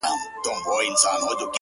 رمې دي د هغه وې اې شپنې د فريادي وې،